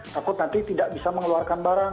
takut nanti tidak bisa mengeluarkan barang